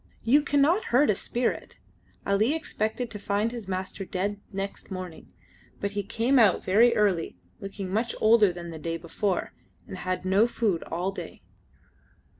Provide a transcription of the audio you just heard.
You cannot hurt a spirit. Ali expected to find his master dead next morning, but he came out very early, looking much older than the day before, and had no food all day.